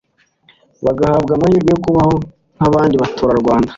bagahabwa amahirwe yo kubaho nk'abandi baturarwanda